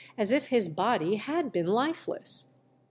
319 as if his body had been Hfeless.